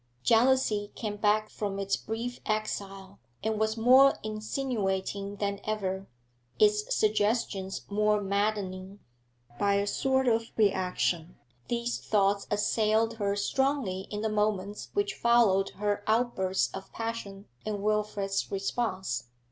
Jealousy came back from its brief exile, and was more insinuating than ever, its suggestions more maddening. By a sort of reaction, these thoughts assailed her strongly in the moments which followed her outburst of passion and Wilfrid's response.